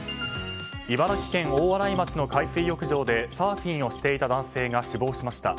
茨城県大洗町の海水浴場でサーフィンをしていた男性が死亡しました。